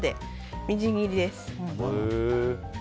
生でみじん切りです。